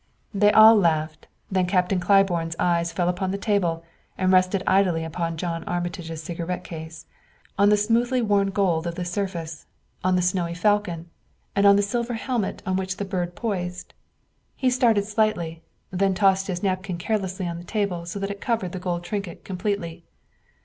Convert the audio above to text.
They all laughed. Then Captain Claiborne's eyes fell upon the table and rested idly on John Armitage's cigarette case on the smoothly worn gold of the surface, on the snowy falcon and the silver helmet on which the bird poised. He started slightly, then tossed his napkin carelessly on the table so that it covered the gold trinket completely.